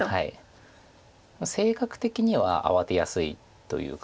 性格的には慌てやすいというか。